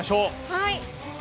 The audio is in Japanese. はい。